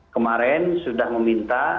kemarin sudah meminta